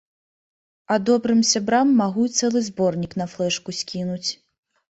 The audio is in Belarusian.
А добрым сябрам магу і цэлы зборнік на флэшку скінуць.